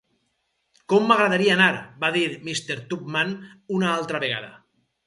"Com m'agradaria anar", va dir Mr. Tupman una altra vegada.